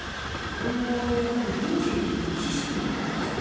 これをどう処理するかのシステムですよ。